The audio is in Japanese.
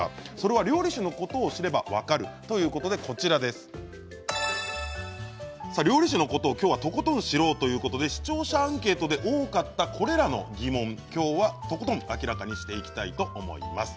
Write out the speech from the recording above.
料理酒のことを知れば分かるということで料理酒のことを今日はとことん知ろうということで視聴者アンケートで多かったこれらの疑問を明らかにしていきたいと思います。